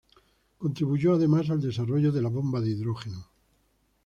Contribuyó, además, al desarrollo de la bomba de hidrógeno.